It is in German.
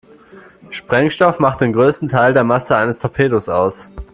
Sprengstoff macht den größten Teil der Masse eines Torpedos aus.